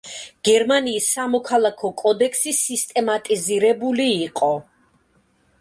გერმანიის სამოქალაქო კოდექსი სისტემატიზირებული იყო.